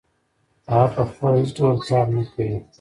هغه پخپله هېڅ ډول کار نه کوي